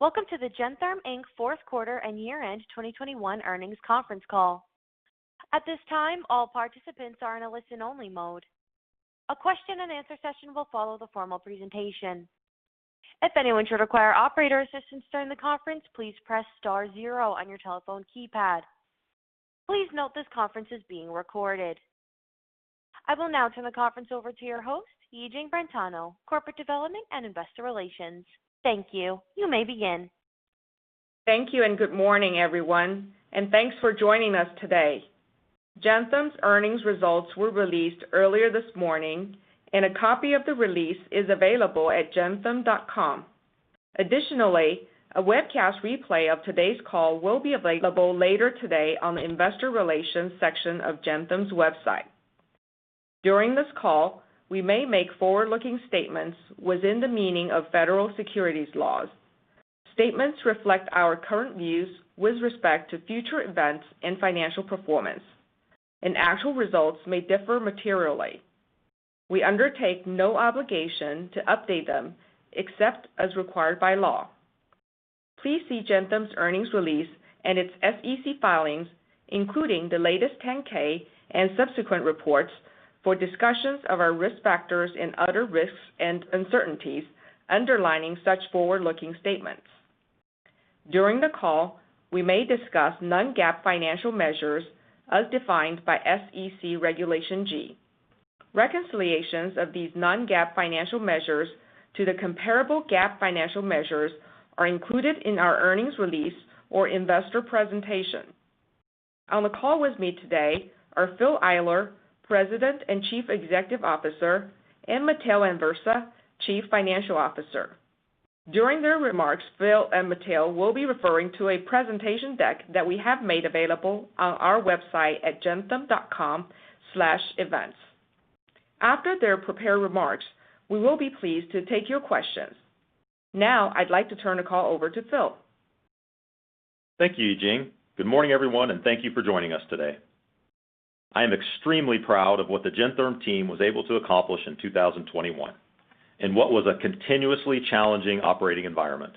Welcome to the Gentherm Inc. fourth quarter and year-end 2021 earnings conference call. At this time, all participants are in a listen-only mode. A question-and-answer session will follow the formal presentation. If anyone should require operator assistance during the conference, please press star zero on your telephone keypad. Please note this conference is being recorded. I will now turn the conference over to your host, Yijing Brentano, Corporate Development and Investor Relations. Thank you. You may begin. Thank you, and good morning, everyone, and thanks for joining us today. Gentherm's earnings results were released earlier this morning, and a copy of the release is available at gentherm.com. Additionally, a webcast replay of today's call will be available later today on the investor relations section of Gentherm's website. During this call, we may make forward-looking statements within the meaning of federal securities laws. Statements reflect our current views with respect to future events and financial performance, and actual results may differ materially. We undertake no obligation to update them except as required by law. Please see Gentherm's earnings release and its SEC filings, including the latest 10-K and subsequent reports for discussions of our risk factors and other risks and uncertainties underlying such forward-looking statements. During the call, we may discuss non-GAAP financial measures as defined by SEC Regulation G. Reconciliations of these non-GAAP financial measures to the comparable GAAP financial measures are included in our earnings release or investor presentation. On the call with me today are Phil Eyler, President and Chief Executive Officer, and Matteo Anversa, Chief Financial Officer. During their remarks, Phil and Matteo will be referring to a presentation deck that we have made available on our website at gentherm.com/events. After their prepared remarks, we will be pleased to take your questions. Now, I'd like to turn the call over to Phil. Thank you, Yijing. Good morning, everyone, and thank you for joining us today. I am extremely proud of what the Gentherm team was able to accomplish in 2021 in what was a continuously challenging operating environment.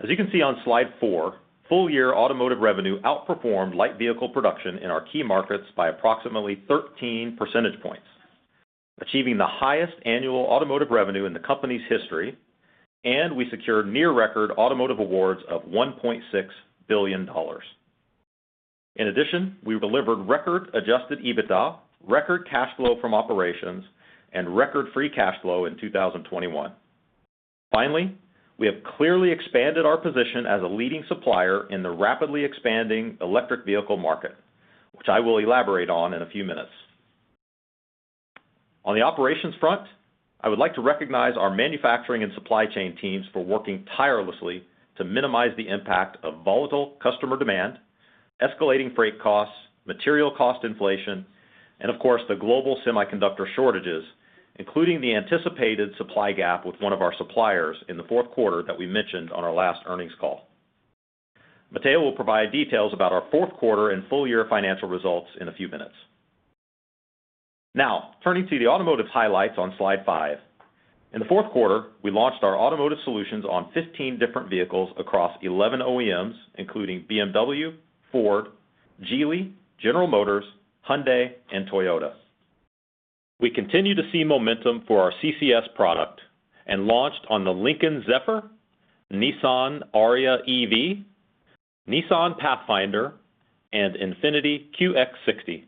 As you can see on Slide four, full year automotive revenue outperformed light vehicle production in our key markets by approximately 13 percentage points, achieving the highest annual automotive revenue in the company's history, and we secured near record automotive awards of $1.6 billion. In addition, we delivered record adjusted EBITDA, record cash flow from operations, and record free cash flow in 2021. Finally, we have clearly expanded our position as a leading supplier in the rapidly expanding electric vehicle market, which I will elaborate on in a few minutes. On the operations front, I would like to recognize our manufacturing and supply chain teams for working tirelessly to minimize the impact of volatile customer demand, escalating freight costs, material cost inflation, and of course, the global semiconductor shortages, including the anticipated supply gap with one of our suppliers in the fourth quarter that we mentioned on our last earnings call. Matteo will provide details about our fourth quarter and full year financial results in a few minutes. Now, turning to the automotive highlights on Slide five. In the fourth quarter, we launched our automotive solutions on 15 different vehicles across 11 OEMs, including BMW, Ford, Geely, General Motors, Hyundai, and Toyota. We continue to see momentum for our CCS product and launched on the Lincoln Zephyr, Nissan Ariya EV, Nissan Pathfinder, and INFINITI QX60.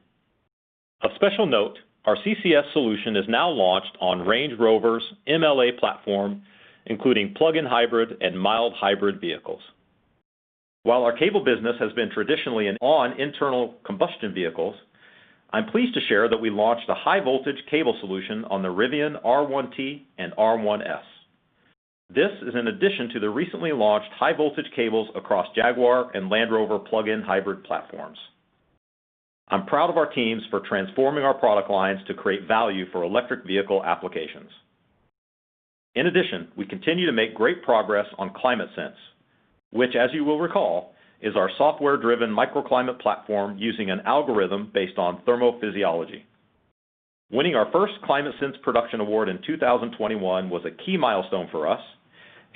A special note, our CCS solution is now launched on Range Rover's MLA platform, including plug-in hybrid and mild hybrid vehicles. While our cable business has been traditionally on internal combustion vehicles, I'm pleased to share that we launched a high voltage cable solution on the Rivian R1T and R1S. This is in addition to the recently launched high voltage cables across Jaguar and Land Rover plug-in hybrid platforms. I'm proud of our teams for transforming our product lines to create value for electric vehicle applications. In addition, we continue to make great progress on ClimateSense, which, as you will recall, is our software-driven microclimate platform using an algorithm based on thermophysiology. Winning our first ClimateSense production award in 2021 was a key milestone for us,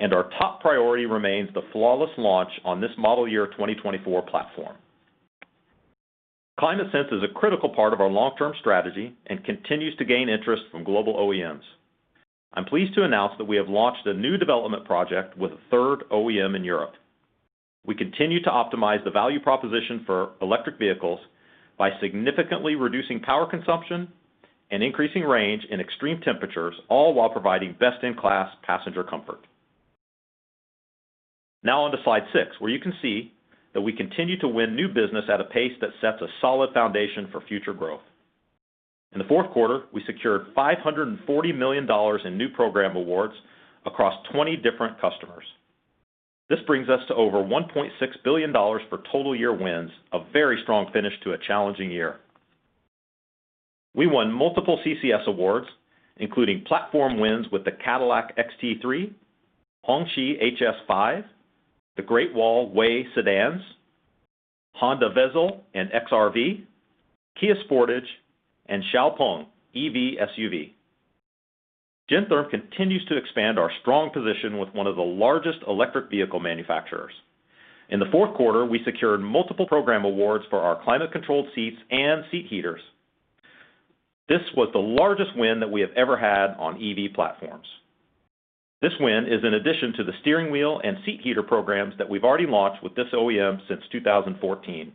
and our top priority remains the flawless launch on this model year 2024 platform. ClimateSense is a critical part of our long-term strategy and continues to gain interest from global OEMs. I'm pleased to announce that we have launched a new development project with a third OEM in Europe. We continue to optimize the value proposition for electric vehicles by significantly reducing power consumption and increasing range in extreme temperatures, all while providing best-in-class passenger comfort. Now on to Slide six, where you can see that we continue to win new business at a pace that sets a solid foundation for future growth. In the fourth quarter, we secured $540 million in new program awards across 20 different customers. This brings us to over $1.6 billion for total year wins, a very strong finish to a challenging year. We won multiple CCS awards, including platform wins with the Cadillac XT4, Hongqi HS5, the Great Wall WEY sedans, Honda Vezel and XR-V, Kia Sportage, and Xpeng EV SUV. Gentherm continues to expand our strong position with one of the largest electric vehicle manufacturers. In the fourth quarter, we secured multiple program awards for our climate controlled seats and seat heaters. This was the largest win that we have ever had on EV platforms. This win is in addition to the steering wheel and seat heater programs that we've already launched with this OEM since 2014.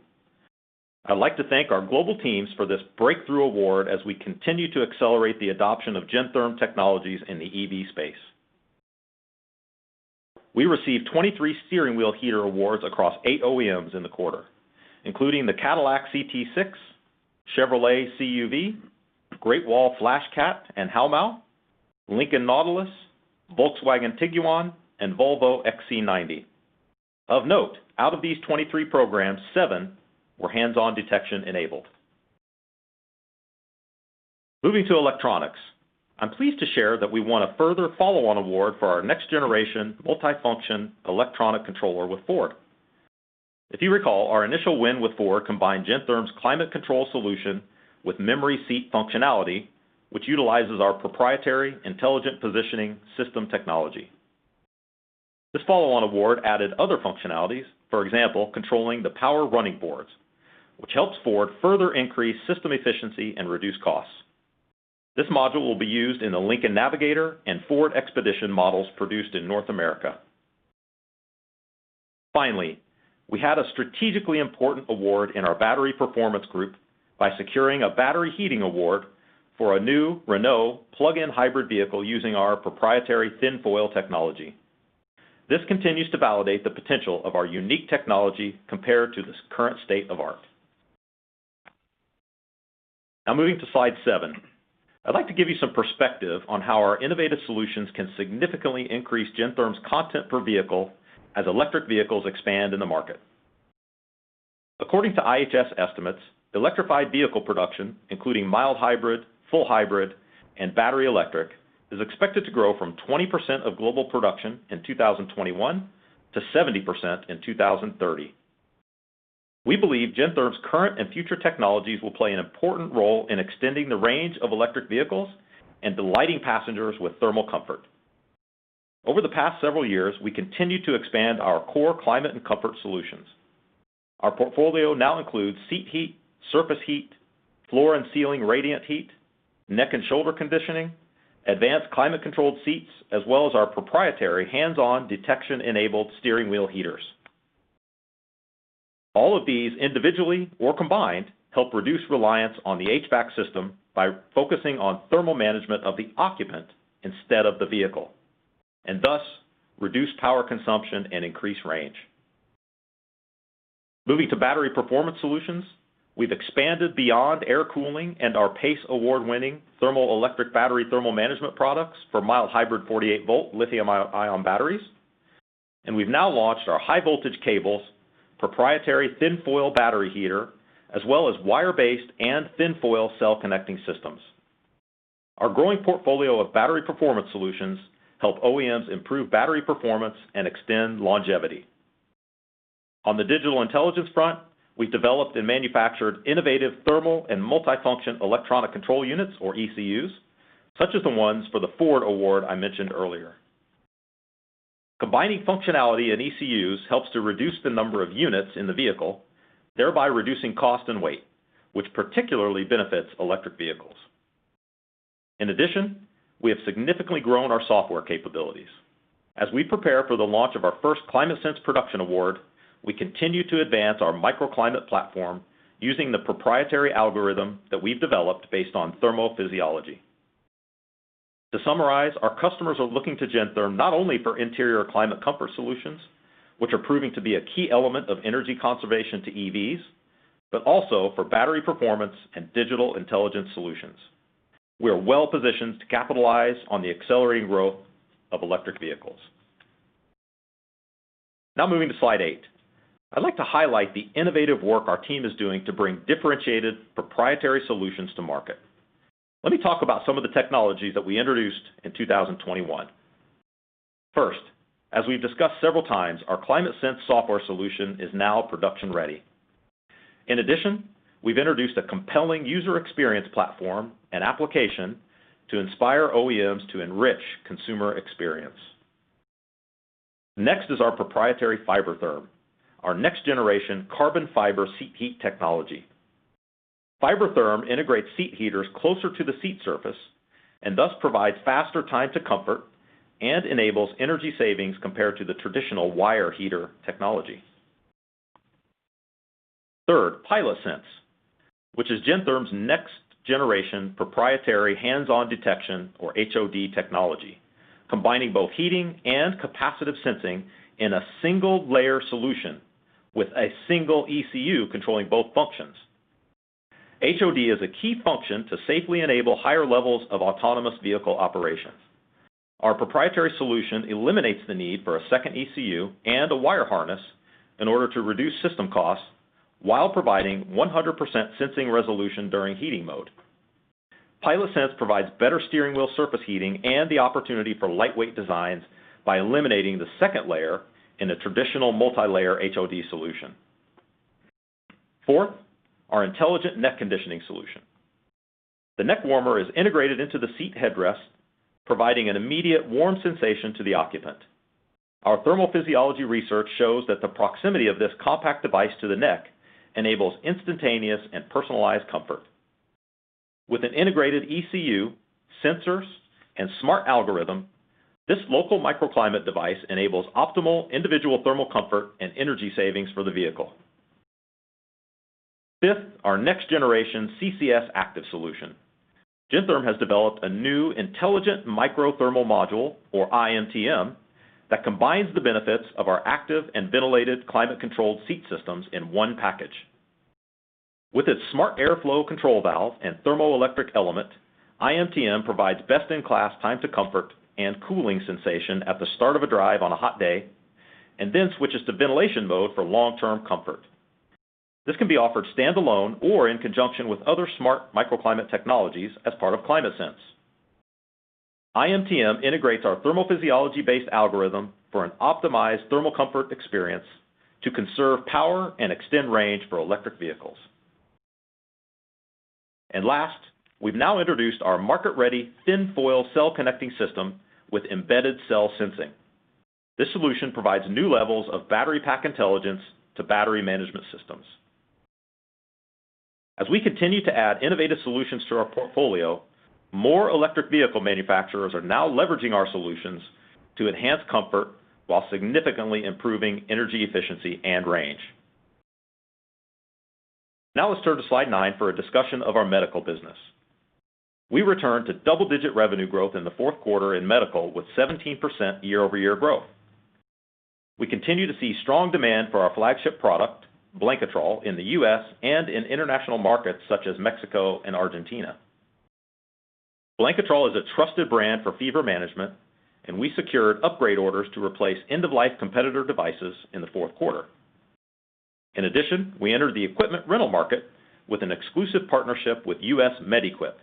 I'd like to thank our global teams for this breakthrough award as we continue to accelerate the adoption of Gentherm technologies in the EV space. We received 23 steering wheel heater awards across eight OEMs in the quarter, including the Cadillac CT6, Chevrolet CUV, Great Wall FlashCat and Haomao, Lincoln Nautilus, Volkswagen Tiguan, and Volvo XC90. Of note, out of these 23 programs, seven were hands-on detection enabled. Moving to electronics, I'm pleased to share that we won a further follow-on award for our next-generation multifunction electronic controller with Ford. If you recall, our initial win with Ford combined Gentherm's climate control solution with memory seat functionality, which utilizes our proprietary Intelligent Positioning System technology. This follow-on award added other functionalities, for example, controlling the power running boards, which helps Ford further increase system efficiency and reduce costs. This module will be used in the Lincoln Navigator and Ford Expedition models produced in North America. Finally, we had a strategically important award in our battery performance group by securing a battery heating award for a new Renault plug-in hybrid vehicle using our proprietary thin foil technology. This continues to validate the potential of our unique technology compared to the current state-of-the-art. Now moving to slide seven. I'd like to give you some perspective on how our innovative solutions can significantly increase Gentherm's content per vehicle as electric vehicles expand in the market. According to IHS estimates, electrified vehicle production, including mild hybrid, full hybrid, and battery electric, is expected to grow from 20% of global production in 2021 to 70% in 2030. We believe Gentherm's current and future technologies will play an important role in extending the range of electric vehicles and delighting passengers with thermal comfort. Over the past several years, we continue to expand our core climate and comfort solutions. Our portfolio now includes seat heat, surface heat, floor and ceiling radiant heat, neck and shoulder conditioning, advanced climate controlled seats, as well as our proprietary hands-on detection-enabled steering wheel heaters. All of these, individually or combined, help reduce reliance on the HVAC system by focusing on thermal management of the occupant instead of the vehicle, and thus reduce power consumption and increase range. Moving to battery performance solutions, we've expanded beyond air cooling and our PACE Award-winning thermoelectric battery thermal management products for mild hybrid 48-volt lithium-ion batteries. We've now launched our high voltage cables, proprietary thin foil battery heater, as well as wire-based and thin foil cell connecting systems. Our growing portfolio of battery performance solutions help OEMs improve battery performance and extend longevity. On the digital intelligence front, we've developed and manufactured innovative thermal and multifunction electronic control units or ECUs, such as the ones for the Ford award I mentioned earlier. Combining functionality in ECUs helps to reduce the number of units in the vehicle, thereby reducing cost and weight, which particularly benefits electric vehicles. In addition, we have significantly grown our software capabilities. As we prepare for the launch of our first ClimateSense production award, we continue to advance our microclimate platform using the proprietary algorithm that we've developed based on thermophysiology. To summarize, our customers are looking to Gentherm not only for interior climate comfort solutions, which are proving to be a key element of energy conservation to EVs, but also for battery performance and digital intelligence solutions. We are well-positioned to capitalize on the accelerating growth of electric vehicles. Now moving to Slide eight. I'd like to highlight the innovative work our team is doing to bring differentiated proprietary solutions to market. Let me talk about some of the technologies that we introduced in 2021. First, as we've discussed several times, our ClimateSense software solution is now production ready. In addition, we've introduced a compelling user experience platform and application to inspire OEMs to enrich consumer experience. Next is our proprietary FiberTherm, our next generation carbon fiber seat heat technology. FiberTherm integrates seat heaters closer to the seat surface and thus provides faster time to comfort and enables energy savings compared to the traditional wire heater technology. Third, PilotSense, which is Gentherm's next generation proprietary hands-on detection or HOD technology, combining both heating and capacitive sensing in a single layer solution with a single ECU controlling both functions. HOD is a key function to safely enable higher levels of autonomous vehicle operations. Our proprietary solution eliminates the need for a second ECU and a wire harness in order to reduce system costs while providing 100% sensing resolution during heating mode. PilotSense provides better steering wheel surface heating and the opportunity for lightweight designs by eliminating the second layer in a traditional multilayer HOD solution. Fourth, our intelligent neck conditioning solution. The neck warmer is integrated into the seat headrest, providing an immediate warm sensation to the occupant. Our thermophysiology research shows that the proximity of this compact device to the neck enables instantaneous and personalized comfort. With an integrated ECU, sensors, and smart algorithm, this local microclimate device enables optimal individual thermal comfort and energy savings for the vehicle. Fifth, our next generation CCS active solution. Gentherm has developed a new intelligent micro thermal module, or iMTM, that combines the benefits of our active and ventilated climate controlled seat systems in one package. With its smart airflow control valve and thermoelectric element, iMTM provides best-in-class time to comfort and cooling sensation at the start of a drive on a hot day, and then switches to ventilation mode for long-term comfort. This can be offered standalone or in conjunction with other smart microclimate technologies as part of ClimateSense. iMTM integrates our thermophysiology-based algorithm for an optimized thermal comfort experience to conserve power and extend range for electric vehicles. Last, we've now introduced our market-ready thin foil cell connecting system with embedded cell sensing. This solution provides new levels of battery pack intelligence to battery management systems. As we continue to add innovative solutions to our portfolio, more electric vehicle manufacturers are now leveraging our solutions to enhance comfort while significantly improving energy efficiency and range. Now let's turn to slide 9 for a discussion of our medical business. We return to double-digit revenue growth in the fourth quarter in medical with 17% year-over-year growth. We continue to see strong demand for our flagship product, Blanketrol, in the U.S. and in international markets such as Mexico and Argentina. Blanketrol is a trusted brand for fever management, and we secured upgrade orders to replace end of life competitor devices in the fourth quarter. In addition, we entered the equipment rental market with an exclusive partnership with U.S. Med-Equip,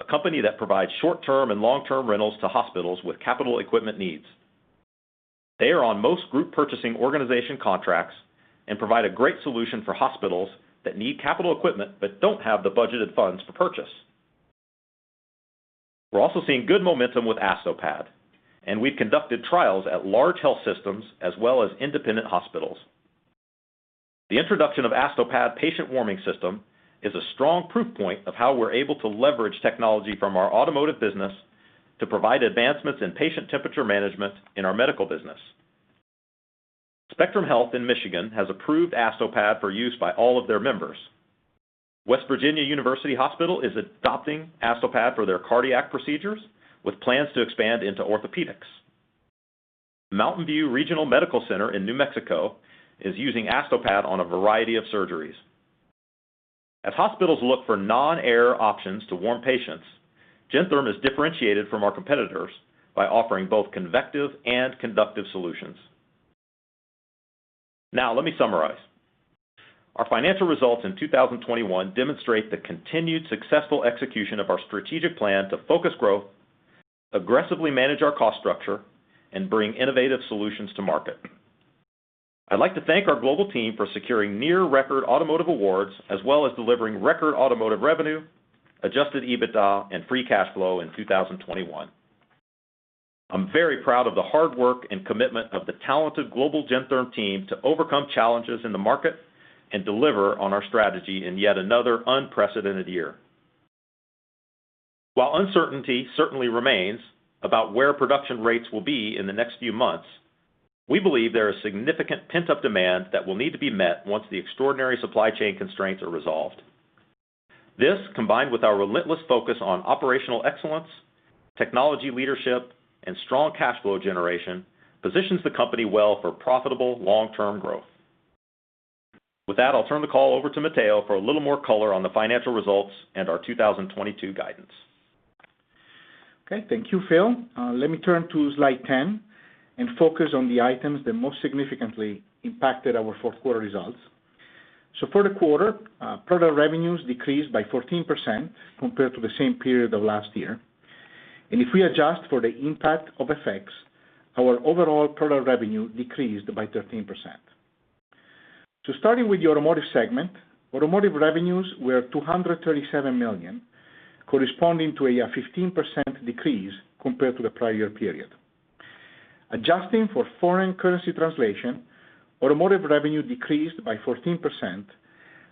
a company that provides short-term and long-term rentals to hospitals with capital equipment needs. They are on most group purchasing organization contracts and provide a great solution for hospitals that need capital equipment but don't have the budgeted funds to purchase. We're also seeing good momentum with ASTOPAD, and we've conducted trials at large health systems as well as independent hospitals. The introduction of ASTOPAD patient warming system is a strong proof point of how we're able to leverage technology from our automotive business to provide advancements in patient temperature management in our medical business. Spectrum Health in Michigan has approved ASTOPAD for use by all of their members. West Virginia University Hospital is adopting ASTOPAD for their cardiac procedures with plans to expand into orthopedics. MountainView Regional Medical Center in New Mexico is using ASTOPAD on a variety of surgeries. As hospitals look for non-air options to warm patients, Gentherm is differentiated from our competitors by offering both convective and conductive solutions. Now let me summarize. Our financial results in 2021 demonstrate the continued successful execution of our strategic plan to focus growth, aggressively manage our cost structure, and bring innovative solutions to market. I'd like to thank our global team for securing near record automotive awards as well as delivering record automotive revenue, adjusted EBITDA, and free cash flow in 2021. I'm very proud of the hard work and commitment of the talented global Gentherm team to overcome challenges in the market and deliver on our strategy in yet another unprecedented year. While uncertainty certainly remains about where production rates will be in the next few months, we believe there is significant pent-up demand that will need to be met once the extraordinary supply chain constraints are resolved. This, combined with our relentless focus on operational excellence, technology leadership, and strong cash flow generation, positions the company well for profitable long-term growth. With that, I'll turn the call over to Matteo for a little more color on the financial results and our 2022 guidance. Okay. Thank you, Phil. Let me turn to Slide 10 and focus on the items that most significantly impacted our fourth quarter results. For the quarter, product revenues decreased by 14% compared to the same period of last year. If we adjust for the impact of FX effects, our overall product revenue decreased by 13%. Starting with the automotive segment, automotive revenues were $237 million, corresponding to a 15% decrease compared to the prior period. Adjusting for foreign currency translation, automotive revenue decreased by 14%,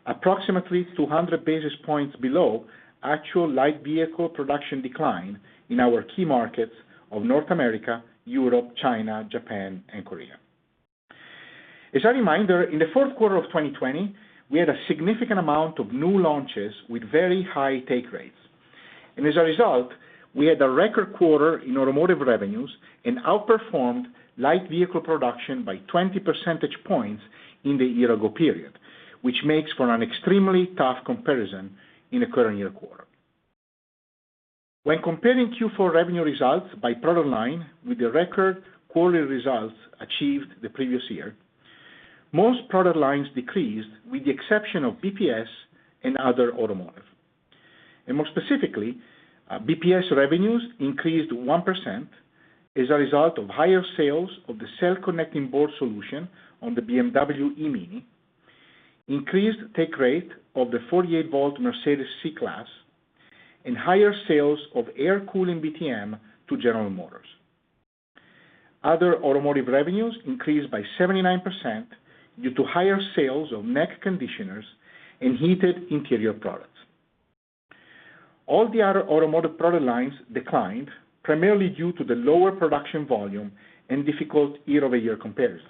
approximately 200 basis points below actual light vehicle production decline in our key markets of North America, Europe, China, Japan, and Korea. As a reminder, in the fourth quarter of 2020, we had a significant amount of new launches with very high take rates. As a result, we had a record quarter in automotive revenues and outperformed light vehicle production by 20 percentage points in the year-ago period, which makes for an extremely tough comparison in the current year quarter. When comparing Q4 revenue results by product line with the record quarterly results achieved the previous year, most product lines decreased with the exception of BPS and other automotive. More specifically, BPS revenues increased 1% as a result of higher sales of the cell connecting board solution on the BMW i Mini, increased take rate of the 48-volt Mercedes C-Class, and higher sales of air cooling VTM to General Motors. Other automotive revenues increased by 79% due to higher sales of neck conditioners and heated interior products. All the other automotive product lines declined, primarily due to the lower production volume and difficult year-over-year comparison.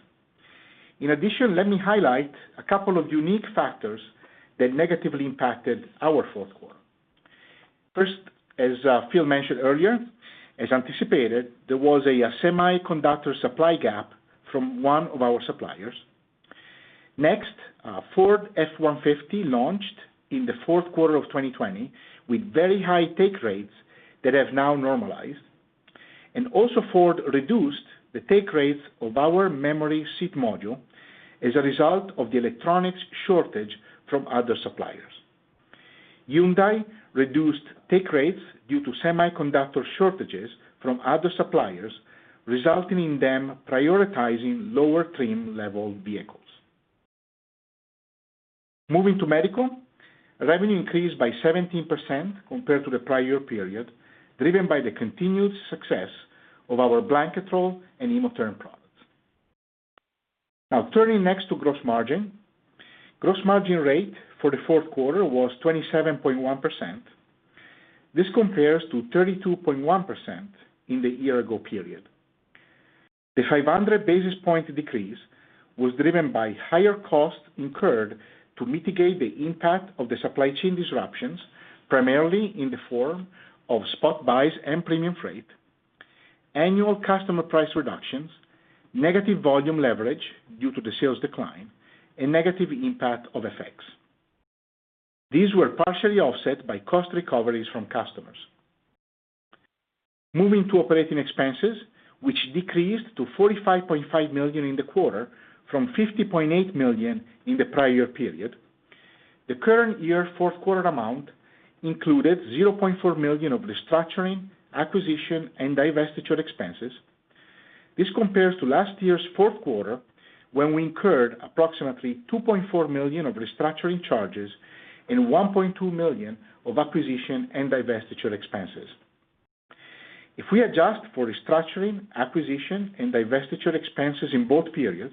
In addition, let me highlight a couple of unique factors that negatively impacted our fourth quarter. First, as Phil mentioned earlier, as anticipated, there was a semiconductor supply gap from one of our suppliers. Next, Ford F-150 launched in the fourth quarter of 2020 with very high take rates that have now normalized. Also Ford reduced the take rates of our memory seat module as a result of the electronics shortage from other suppliers. Hyundai reduced take rates due to semiconductor shortages from other suppliers, resulting in them prioritizing lower trim level vehicles. Moving to medical, revenue increased by 17% compared to the prior period, driven by the continued success of our Blanketrol and Hemotherm products. Now turning next to gross margin. Gross margin rate for the fourth quarter was 27.1%. This compares to 32.1% in the year ago period. The 500 basis point decrease was driven by higher costs incurred to mitigate the impact of the supply chain disruptions, primarily in the form of spot buys and premium freight, annual customer price reductions, negative volume leverage due to the sales decline, and negative impact of FX effects. These were partially offset by cost recoveries from customers. Moving to operating expenses, which decreased to $45.5 million in the quarter from $50.8 million in the prior period. The current year fourth quarter amount included $0.4 million of restructuring, acquisition, and divestiture expenses. This compares to last year's fourth quarter, when we incurred approximately $2.4 million of restructuring charges and $1.2 million of acquisition and divestiture expenses. If we adjust for restructuring, acquisition, and divestiture expenses in both periods,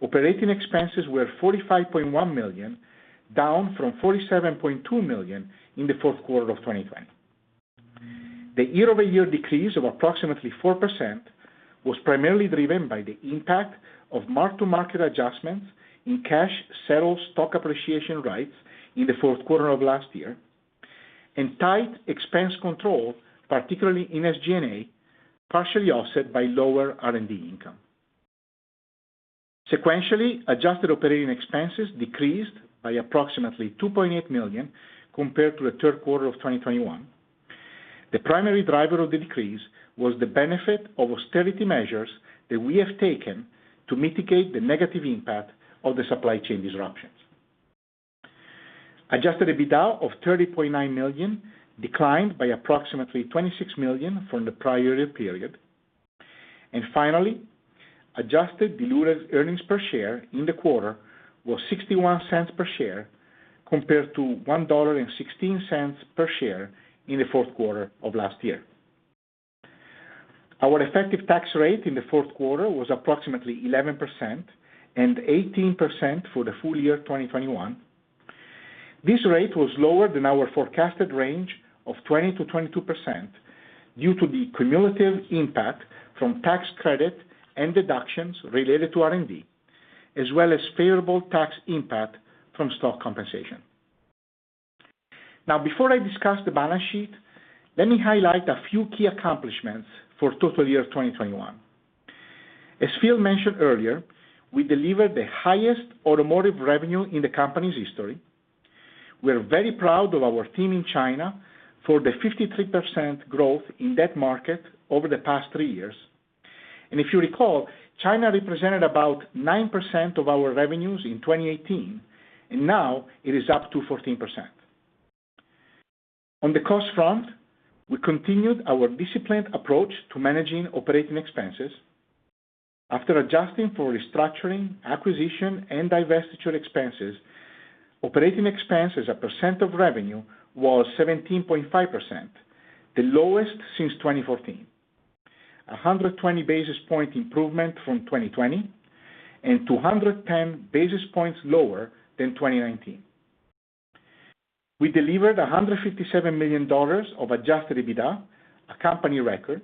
operating expenses were $45.1 million, down from $47.2 million in the fourth quarter of 2020. The year-over-year decrease of approximately 4% was primarily driven by the impact of mark-to-market adjustments in cash settled stock appreciation rights in the fourth quarter of last year, and tight expense control, particularly in SG&A, partially offset by lower R&D income. Sequentially, adjusted operating expenses decreased by approximately $2.8 million compared to the third quarter of 2021. The primary driver of the decrease was the benefit of austerity measures that we have taken to mitigate the negative impact of the supply chain disruptions. Adjusted EBITDA of $30.9 million declined by approximately $26 million from the prior year period. Finally, adjusted diluted earnings per share in the quarter was $0.61 per share compared to $1.16 per share in the fourth quarter of last year. Our effective tax rate in the fourth quarter was approximately 11% and 18% for the full year 2021. This rate was lower than our forecasted range of 20%-22% due to the cumulative impact from tax credit and deductions related to R&D, as well as favorable tax impact from stock compensation. Now, before I discuss the balance sheet, let me highlight a few key accomplishments for the full year 2021. As Phil mentioned earlier, we delivered the highest automotive revenue in the company's history. We're very proud of our team in China for the 53% growth in that market over the past three years. If you recall, China represented about 9% of our revenues in 2018, and now it is up to 14%. On the cost front, we continued our disciplined approach to managing operating expenses. After adjusting for restructuring, acquisition, and divestiture expenses, operating expenses as a % of revenue was 17.5%, the lowest since 2014. 120 basis point improvement from 2020 and 210 basis points lower than 2019. We delivered $157 million of adjusted EBITDA, a company record.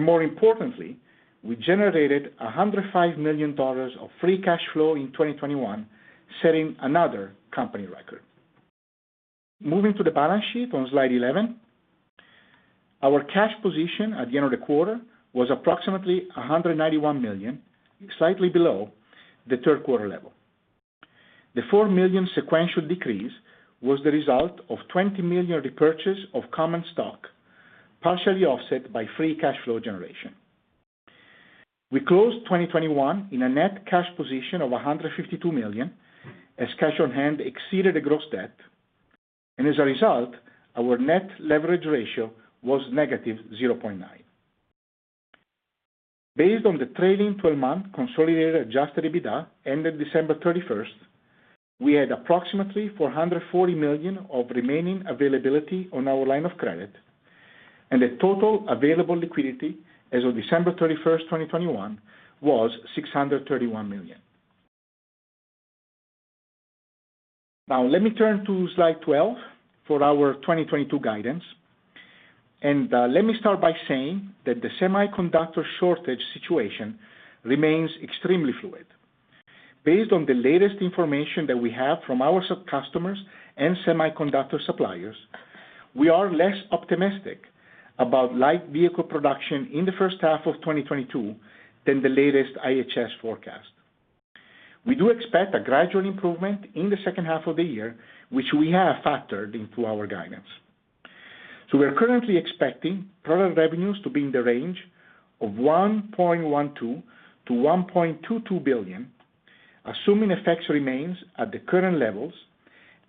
More importantly, we generated $105 million of Free Cash Flow in 2021, setting another company record. Moving to the balance sheet on Slide 11. Our cash position at the end of the quarter was approximately $191 million, slightly below the third quarter level. The $4 million sequential decrease was the result of $20 million repurchase of common stock, partially offset by free cash flow generation. We closed 2021 in a net cash position of $152 million, as cash on hand exceeded the gross debt, and as a result, our net leverage ratio was negative 0.9. Based on the trailing twelve-month consolidated adjusted EBITDA ended December 31, we had approximately $440 million of remaining availability on our line of credit, and the total available liquidity as of December 31, 2021, was $631 million. Now let me turn to Slide 12 for our 2022 guidance. Let me start by saying that the semiconductor shortage situation remains extremely fluid. Based on the latest information that we have from our sub-customers and semiconductor suppliers, we are less optimistic about light vehicle production in the first half of 2022 than the latest IHS forecast. We do expect a gradual improvement in the second half of the year, which we have factored into our guidance. We are currently expecting product revenues to be in the range of $1.12 billion-$1.22 billion, assuming FX remains at the current levels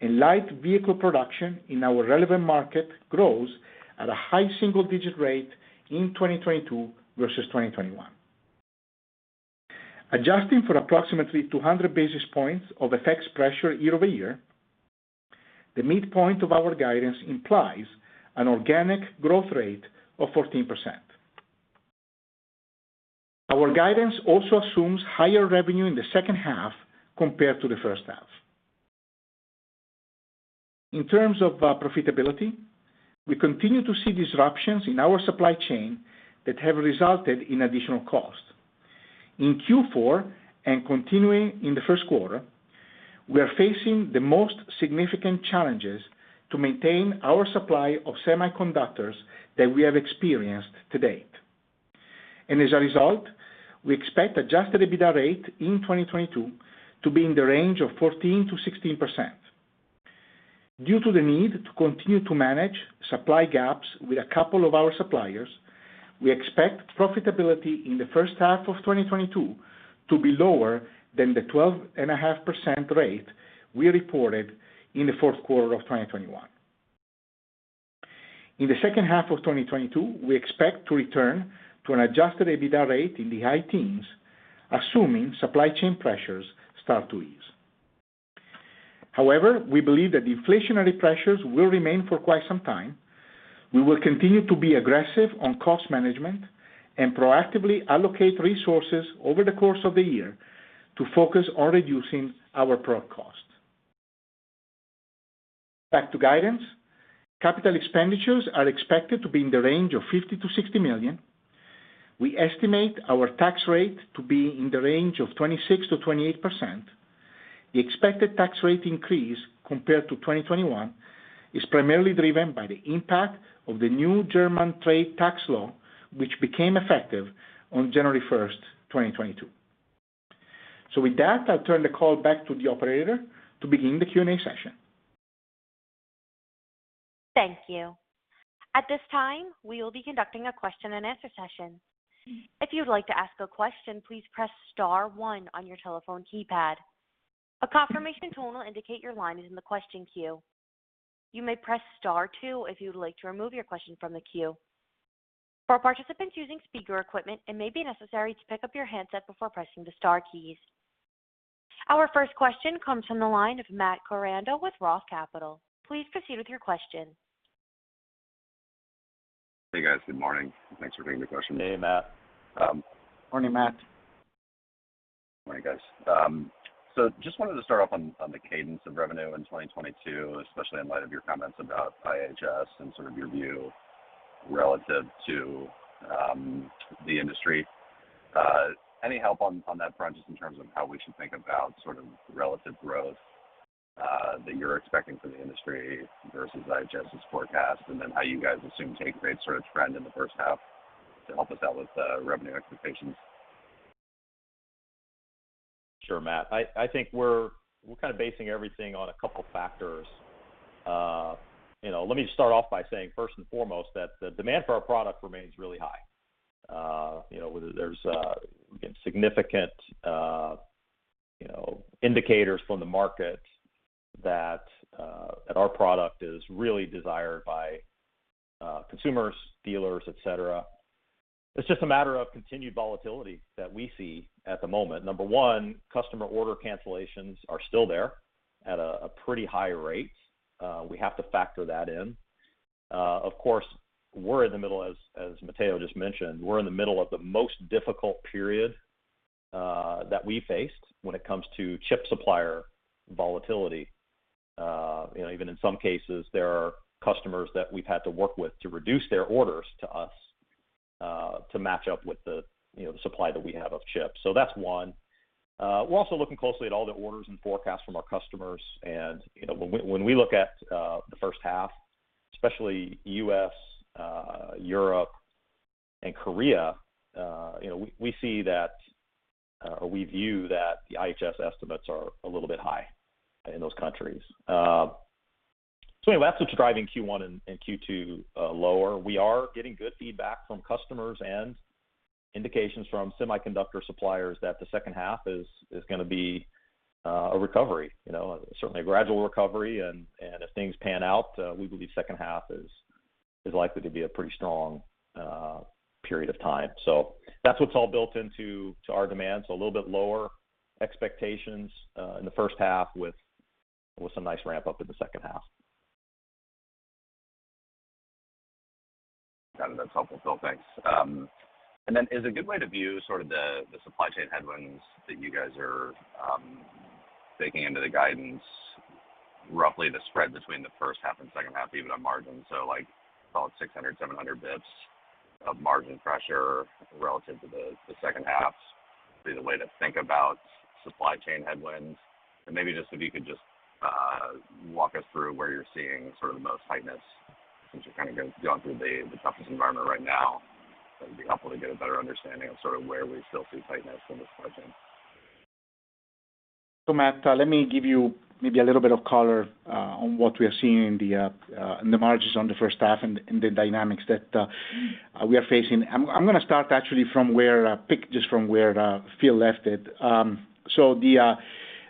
and light vehicle production in our relevant market grows at a high single-digit rate in 2022 versus 2021. Adjusting for approximately 200 basis points of FX pressure year-over-year, the midpoint of our guidance implies an organic growth rate of 14%. Our guidance also assumes higher revenue in the second half compared to the first half. In terms of profitability, we continue to see disruptions in our supply chain that have resulted in additional costs. In Q4 and continuing in the first quarter, we are facing the most significant challenges to maintain our supply of semiconductors that we have experienced to date. As a result, we expect adjusted EBITDA rate in 2022 to be in the range of 14%-16%. Due to the need to continue to manage supply gaps with a couple of our suppliers, we expect profitability in the first half of 2022 to be lower than the 12.5% rate we reported in the fourth quarter of 2021. In the second half of 2022, we expect to return to an adjusted EBITDA rate in the high teens, assuming supply chain pressures start to ease. However, we believe that the inflationary pressures will remain for quite some time. We will continue to be aggressive on cost management and proactively allocate resources over the course of the year to focus on reducing our product costs. Back to guidance. Capital expenditures are expected to be in the range of $50 million-$60 million. We estimate our tax rate to be in the range of 26%-28%. The expected tax rate increase compared to 2021 is primarily driven by the impact of the new German trade tax law, which became effective on January 1, 2022. With that, I'll turn the call back to the operator to begin the Q&A session. Thank you. At this time, we will be conducting a question-and-answer session. If you'd like to ask a question, please press star one on your telephone keypad. A confirmation tone will indicate your line is in the question queue. You may press star two if you'd like to remove your question from the queue. For participants using speaker equipment, it may be necessary to pick up your handset before pressing the star keys. Our first question comes from the line of Matt Koranda with ROTH Capital Partners. Please proceed with your question. Hey, guys. Good morning. Thanks for taking the question. Hey, Matt. Morning, Matt. Morning, guys. Just wanted to start off on the cadence of revenue in 2022, especially in light of your comments about IHS and sort of your view relative to the industry. Any help on that front, just in terms of how we should think about sort of relative growth that you're expecting from the industry versus IHS's forecast? Then how you guys assume take rate sort of trend in the first half to help us out with the revenue expectations. Sure, Matt. I think we're kind of basing everything on a couple factors. You know, let me start off by saying first and foremost that the demand for our product remains really high. You know, there's again significant, you know, indicators from the market that our product is really desired by consumers, dealers, et cetera. It's just a matter of continued volatility that we see at the moment. Number one, customer order cancellations are still there at a pretty high rate. We have to factor that in. Of course, we're in the middle, as Matteo just mentioned, of the most difficult period that we faced when it comes to chip supplier volatility. You know, even in some cases, there are customers that we've had to work with to reduce their orders to us to match up with the, you know, the supply that we have of chips. That's one. We're also looking closely at all the orders and forecasts from our customers. You know, when we look at the first half, especially U.S., Europe and Korea, you know, we see that, or we view that the IHS estimates are a little bit high in those countries. Anyway, that's what's driving Q1 and Q2 lower. We are getting good feedback from customers and indications from semiconductor suppliers that the second half is gonna be a recovery. You know, certainly a gradual recovery, and if things pan out, we believe second half is likely to be a pretty strong period of time. That's what's all built into our demand. A little bit lower expectations in the first half with some nice ramp-up in the second half. Got it. That's helpful. Phil, thanks. Is a good way to view sort of the supply chain headwinds that you guys are baking into the guidance, roughly the spread between the first half and second half, even on margin. Like call it 600 bps-700 bps of margin pressure relative to the second half would be the way to think about supply chain headwinds. Maybe just if you could walk us through where you're seeing sort of the most tightness, since you're kind of going through the toughest environment right now. That'd be helpful to get a better understanding of sort of where we still see tightness in the supply chain. Matt, let me give you maybe a little bit of color on what we are seeing in the margins on the first half and the dynamics that we are facing. I'm gonna start actually from where Phil left it.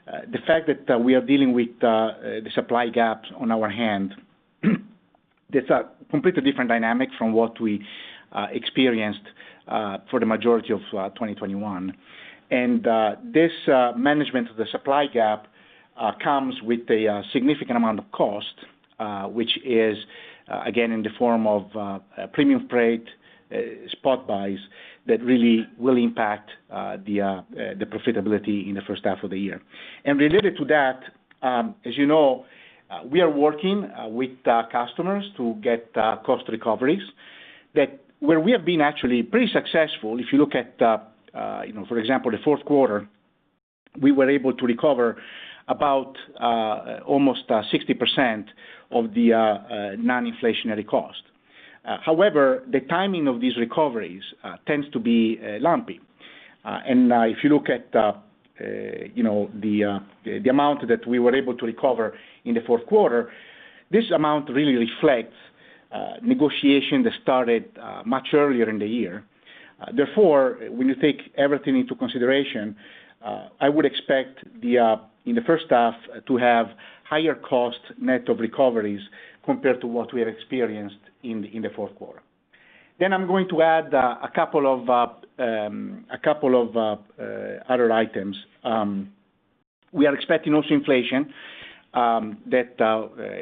The fact that we are dealing with the supply gaps on hand, it's a completely different dynamic from what we experienced for the majority of 2021. This management of the supply gap comes with a significant amount of cost, which is again in the form of premium freight, spot buys that really will impact the profitability in the first half of the year. Related to that, as you know, we are working with our customers to get cost recoveries that, where we have been actually pretty successful. If you look at, you know, for example, the fourth quarter, we were able to recover about almost 60% of the non-inflationary cost. However, the timing of these recoveries tends to be lumpy. If you look at, you know, the amount that we were able to recover in the fourth quarter, this amount really reflects negotiation that started much earlier in the year. Therefore, when you take everything into consideration, I would expect in the first half to have higher cost net of recoveries compared to what we had experienced in the fourth quarter. I'm going to add a couple of other items. We are expecting also inflation that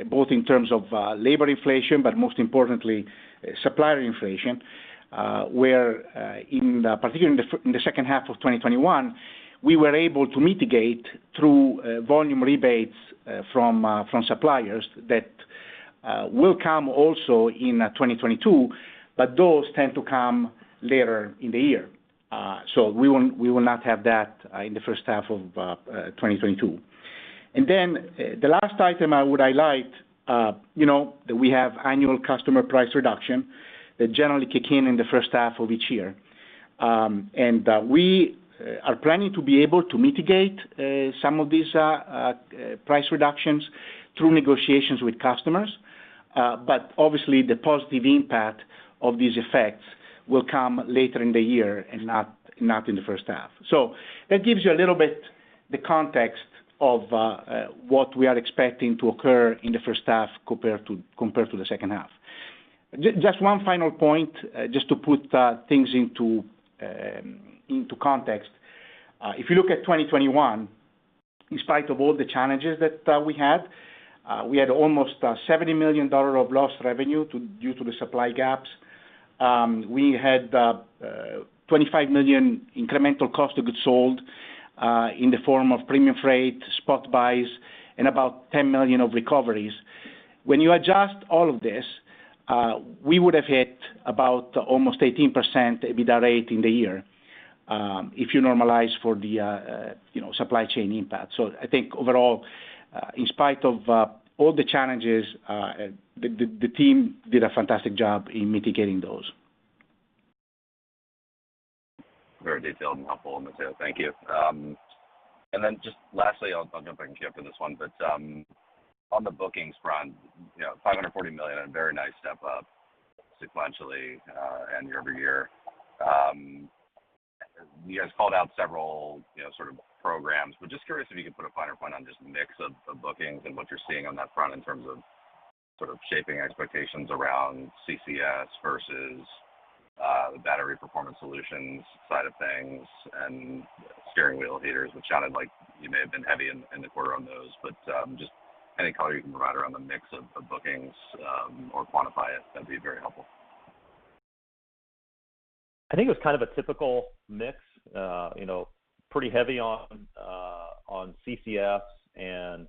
both in terms of labor inflation, but most importantly supplier inflation, where particularly in the second half of 2021, we were able to mitigate through volume rebates from suppliers that will come also in 2022, but those tend to come later in the year. We will not have that in the first half of 2022. The last item I would highlight, you know, that we have annual customer price reduction that generally kick in in the first half of each year. We are planning to be able to mitigate some of these price reductions through negotiations with customers. Obviously the positive impact of these effects will come later in the year and not in the first half. That gives you a little bit the context of what we are expecting to occur in the first half compared to the second half. Just one final point, just to put things into context. If you look at 2021, in spite of all the challenges that we had, we had almost $70 million of lost revenue due to the supply gaps. We had $25 million incremental cost of goods sold in the form of premium freight, spot buys, and about $10 million of recoveries. When you adjust all of this, we would have hit about almost 18% EBITDA in the year, if you normalize for the you know supply chain impact. I think overall, in spite of all the challenges, the team did a fantastic job in mitigating those. Very detailed and helpful, Matteo. Thank you. Then just lastly, I'll jump back to you for this one, but on the bookings front, you know, $540 million, a very nice step up sequentially, and year over year. You guys called out several, you know, sort of programs, but just curious if you could put a finer point on just mix of bookings and what you're seeing on that front in terms of sort of shaping expectations around CCS versus the battery performance solutions side of things and steering wheel heaters, which sounded like you may have been heavy in the quarter on those. Just any color you can provide around the mix of bookings, or quantify it, that'd be very helpful. I think it was kind of a typical mix. You know, pretty heavy on CCS and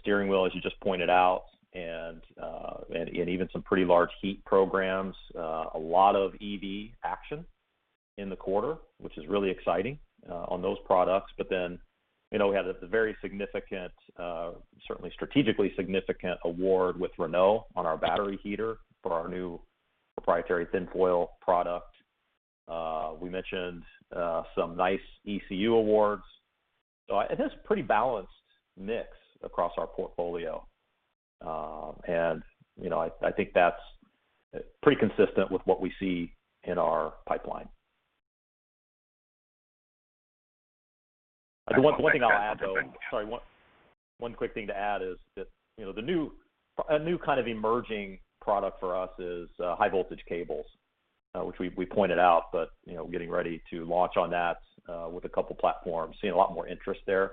steering wheel, as you just pointed out, and even some pretty large heat programs. A lot of EV action in the quarter, which is really exciting, on those products. You know, we had a very significant, certainly strategically significant award with Renault on our battery heater for our new proprietary thin foil product. We mentioned some nice ECU awards. I think it's pretty balanced mix across our portfolio. You know, I think that's pretty consistent with what we see in our pipeline. One quick thing to add is that, you know, a new kind of emerging product for us is high voltage cables, which we pointed out. You know, getting ready to launch on that with a couple of platforms, seeing a lot more interest there.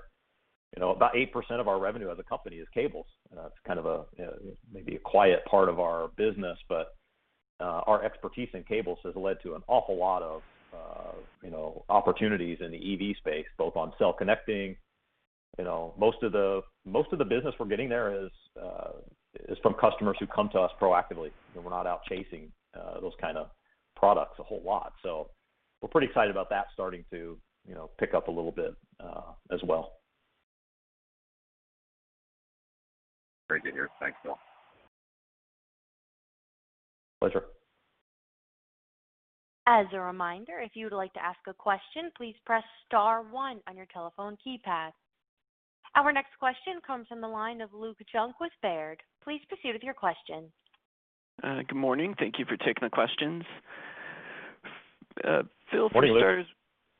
You know, about 8% of our revenue as a company is cables, and that's kind of a, maybe a quiet part of our business. Our expertise in cables has led to an awful lot of, you know, opportunities in the EV space, both on cell connecting. You know, most of the business we're getting there is from customers who come to us proactively, and we're not out chasing those kind of products a whole lot. We're pretty excited about that starting to, you know, pick up a little bit, as well. Great to hear. Thanks, Phil. Pleasure. As a reminder, if you would like to ask a question, please press star one on your telephone keypad. Our next question comes from the line of Luke Junk with Baird. Please proceed with your question. Good morning. Thank you for taking the questions. Phil- Morning, Luke. First,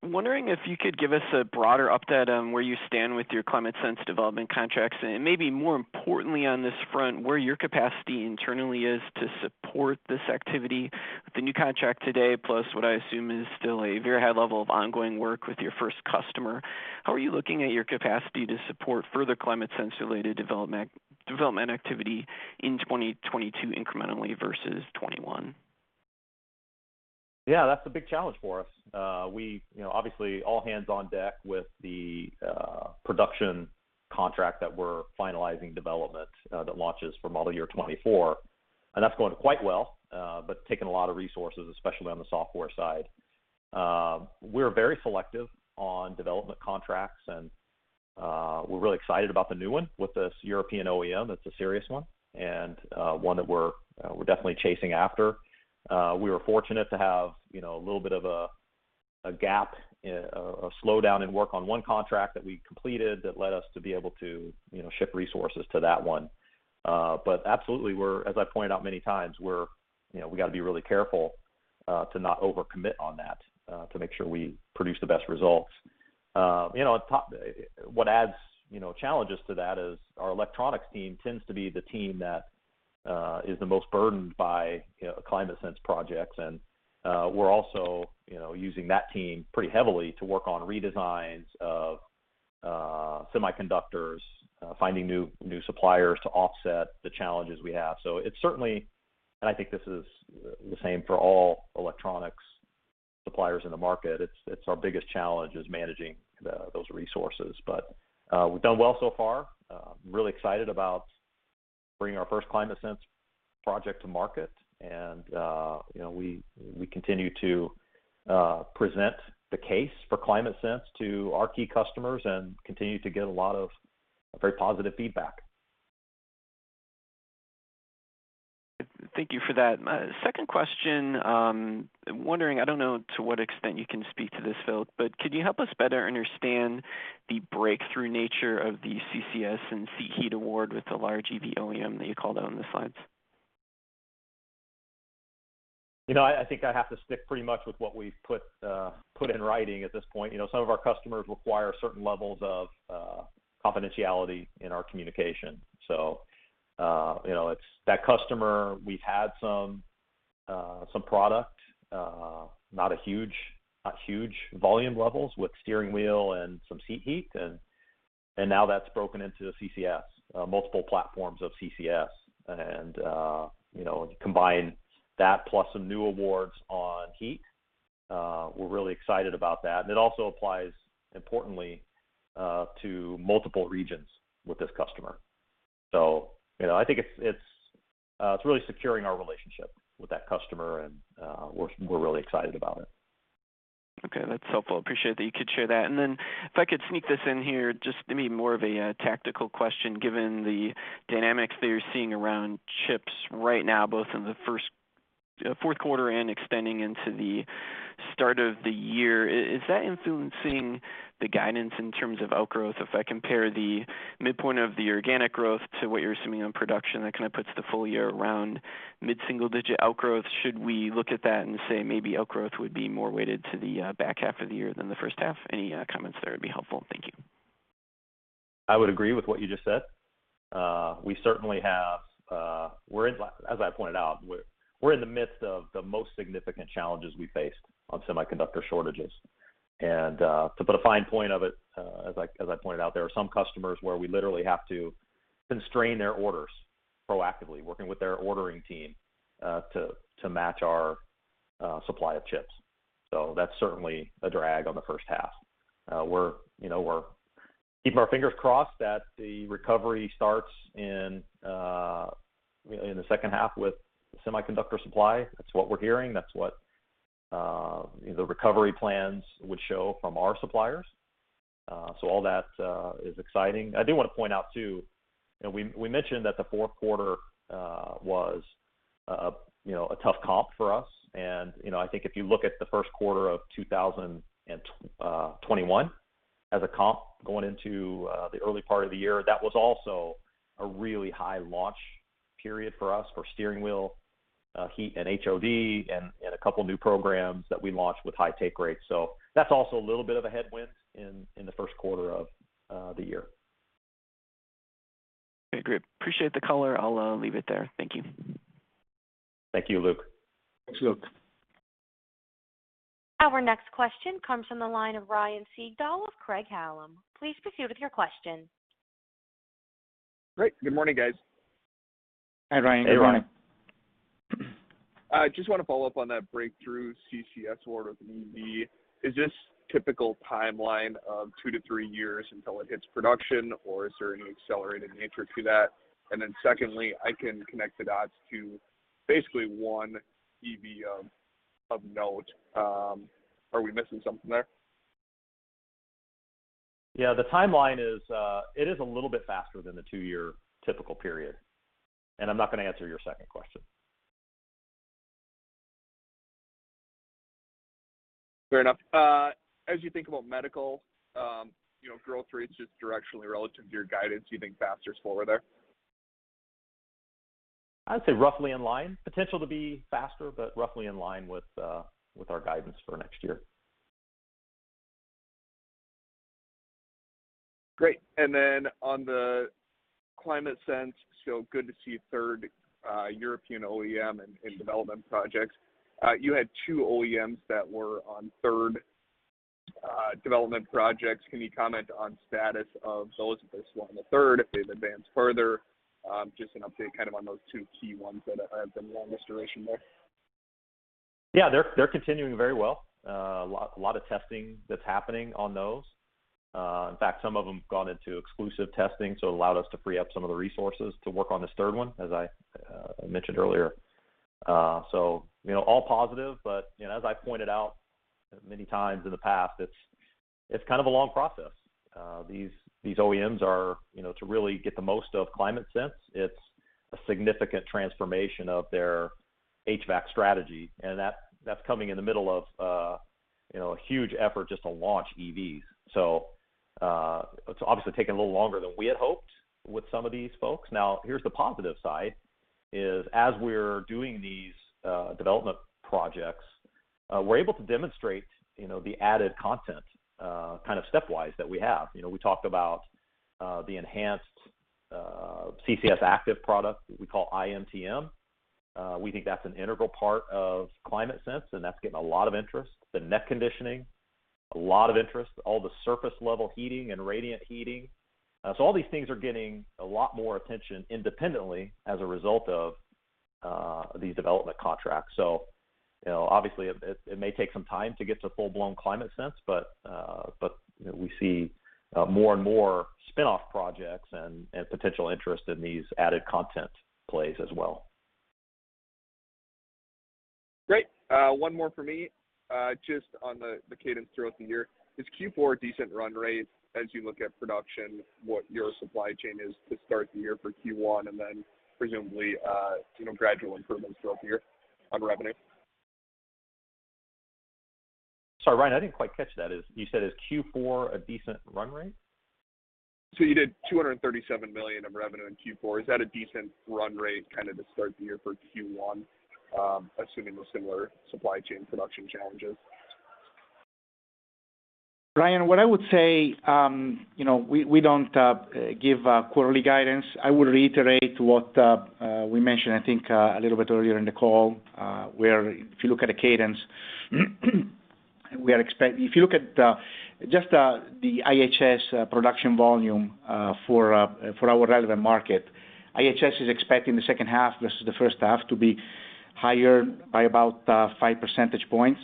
I was wondering if you could give us a broader update on where you stand with your ClimateSense development contracts, and maybe more importantly on this front, where your capacity internally is to support this activity with the new contract today, plus what I assume is still a very high level of ongoing work with your first customer. How are you looking at your capacity to support further ClimateSense-related development activity in 2022 incrementally versus 2021? Yeah, that's a big challenge for us. We you know obviously all hands on deck with the production contract that we're finalizing development that launches for model year 2024, and that's going quite well, but taking a lot of resources, especially on the software side. We're very selective on development contracts, and we're really excited about the new one with this European OEM. That's a serious one and one that we're definitely chasing after. We were fortunate to have you know a little bit of a slowdown in work on one contract that we completed that led us to be able to you know shift resources to that one. Absolutely, as I pointed out many times, you know, we got to be really careful to not overcommit on that to make sure we produce the best results. You know, what adds challenges to that is our electronics team tends to be the team that is the most burdened by, you know, ClimateSense projects. We're also, you know, using that team pretty heavily to work on redesigns of semiconductors, finding new suppliers to offset the challenges we have. It's certainly, and I think this is the same for all electronics suppliers in the market. It's our biggest challenge is managing those resources. We've done well so far. Really excited about bringing our first ClimateSense project to market. You know, we continue to present the case for ClimateSense to our key customers and continue to get a lot of very positive feedback. Thank you for that. Second question, wondering, I don't know to what extent you can speak to this, Phil, but could you help us better understand the breakthrough nature of the CCS and seat heat award with the large EV OEM that you called out on the slides? You know, I think I have to stick pretty much with what we've put in writing at this point. You know, some of our customers require certain levels of confidentiality in our communication. You know, it's that customer. We've had some product, not huge volume levels with steering wheel and some seat heat. And now that's broken into CCS, multiple platforms of CCS. You know, when you combine that plus some new awards on heat, we're really excited about that. It also applies importantly to multiple regions with this customer. You know, I think it's really securing our relationship with that customer, and we're really excited about it. Okay, that's helpful. Appreciate that you could share that. Then if I could sneak this in here, just maybe more of a tactical question, given the dynamics that you're seeing around chips right now, both in the fourth quarter and extending into the start of the year. Is that influencing the guidance in terms of outgrowth? If I compare the midpoint of the organic growth to what you're assuming on production, that kind of puts the full year around mid-single digit outgrowth. Should we look at that and say maybe outgrowth would be more weighted to the back half of the year than the first half? Any comments there would be helpful. Thank you. I would agree with what you just said. We certainly have, as I pointed out, we're in the midst of the most significant challenges we faced on semiconductor shortages. To put a fine point on it, as I pointed out, there are some customers where we literally have to constrain their orders proactively, working with their ordering team, to match our supply of chips. That's certainly a drag on the first half. You know, we're keeping our fingers crossed that the recovery starts in, you know, in the second half with semiconductor supply. That's what we're hearing. That's what, you know, the recovery plans would show from our suppliers. All that is exciting. I do wanna point out too, you know, we mentioned that the fourth quarter was, you know, a tough comp for us. I think if you look at the first quarter of 2021 as a comp going into the early part of the year, that was also a really high launch period for us for steering wheel heat and HOD and a couple new programs that we launched with high take rates. That's also a little bit of a headwind in the first quarter of the year. Okay, great. Appreciate the color. I'll leave it there. Thank you. Thank you, Luke. Thanks, Luke. Our next question comes from the line of Ryan Sigdahl of Craig-Hallum. Please proceed with your question. Great. Good morning, guys. Hi, Ryan. Hey, Ryan. I just wanna follow up on that breakthrough CCS order from EV. Is this typical timeline of two to three years until it hits production or is there any accelerated nature to that? Secondly, I can connect the dots to basically one EV, of note. Are we missing something there? Yeah. The timeline is, it is a little bit faster than the two-year typical period. I'm not gonna answer your second question. Fair enough. As you think about medical, you know, growth rates just directionally relative to your guidance, do you think faster, slower there? I'd say roughly in line. Potential to be faster, but roughly in line with our guidance for next year. Great. Then on the ClimateSense, so good to see a third European OEM in development projects. You had two OEMs that were on third development projects. Can you comment on status of those? If there's one in the third, if they've advanced further? Just an update kind of on those two key ones that have been longest duration there. Yeah. They're continuing very well. A lot of testing that's happening on those. In fact, some of them have gone into exclusive testing, so it allowed us to free up some of the resources to work on this third one, as I mentioned earlier. You know, all positive, but you know, as I pointed out many times in the past, it's kind of a long process. These OEMs are, you know, to really get the most of ClimateSense, it's a significant transformation of their HVAC strategy. That's coming in the middle of, you know, a huge effort just to launch EVs. It's obviously taking a little longer than we had hoped with some of these folks. Now, here's the positive side, is as we're doing these development projects, we're able to demonstrate, you know, the added content, kind of step-wise that we have. You know, we talked about the enhanced CCS active product we call iMTM. We think that's an integral part of ClimateSense, and that's getting a lot of interest. The seat conditioning, a lot of interest. All the surface level heating and radiant heating. So all these things are getting a lot more attention independently as a result of these development contracts. So, you know, obviously it may take some time to get to full-blown ClimateSense, but, you know, we see more and more spinoff projects and potential interest in these added content plays as well. Great. One more for me. Just on the cadence throughout the year. Is Q4 a decent run rate as you look at production, what your supply chain is to start the year for Q1, and then presumably, you know, gradual improvements throughout the year on revenue? Sorry, Ryan, I didn't quite catch that. You said is Q4 a decent run rate? You did $237 million of revenue in Q4. Is that a decent run rate kind of to start the year for Q1, assuming those similar supply chain production challenges? Ryan, what I would say, you know, we don't give quarterly guidance. I would reiterate what we mentioned, I think, a little bit earlier in the call, where if you look at the cadence, if you look at just the IHS production volume for our relevant market, IHS is expecting the second half versus the first half to be higher by about 5 percentage points.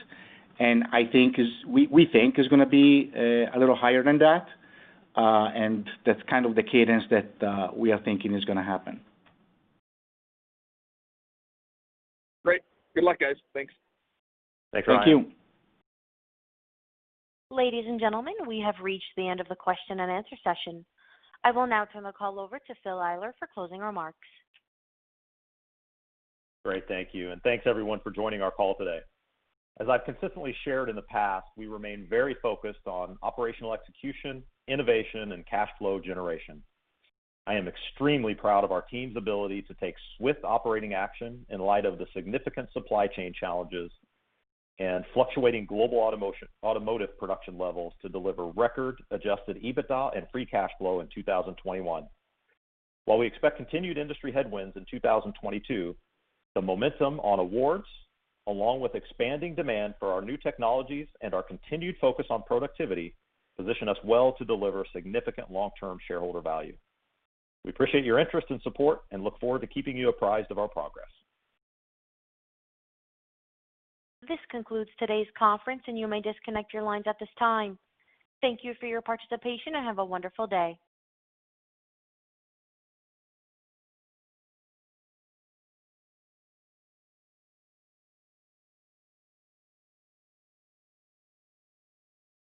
I think it's—we think it's gonna be a little higher than that. That's kind of the cadence that we are thinking it's gonna happen. Great. Good luck, guys. Thanks. Thanks, Ryan. Thank you. Ladies and gentlemen, we have reached the end of the question and answer session. I will now turn the call over to Phil Eyler for closing remarks. Great. Thank you. And thanks everyone for joining our call today. As I've consistently shared in the past, we remain very focused on operational execution, innovation, and cash flow generation. I am extremely proud of our team's ability to take swift operating action in light of the significant supply chain challenges and fluctuating global automotive production levels to deliver record adjusted EBITDA and free cash flow in 2021. While we expect continued industry headwinds in 2022, the momentum on awards, along with expanding demand for our new technologies and our continued focus on productivity position us well to deliver significant long-term shareholder value. We appreciate your interest and support, and look forward to keeping you apprised of our progress. This concludes today's conference, and you may disconnect your lines at this time. Thank you for your participation, and have a wonderful day.